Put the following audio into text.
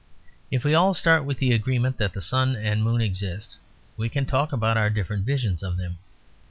If we all start with the agreement that the sun and moon exist, we can talk about our different visions of them.